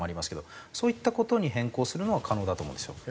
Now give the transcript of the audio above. そういった事に変更するのは可能だと思うんですよ。